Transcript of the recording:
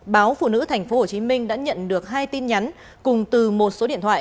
báo phụ nữ tp hcm đã nhận được hai tin nhắn cùng từ một số điện thoại